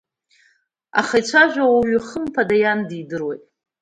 Аха иацәажәо ауаҩ хымԥада иан дидыруеит.